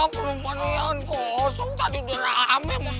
perempuan yang kosong tadi udah ramai